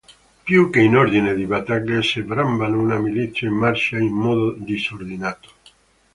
Più che in ordine di battaglia sembravano una milizia in marcia in modo disordinato.